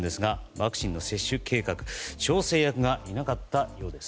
ワクチンの接種計画調整案がいなかったようです。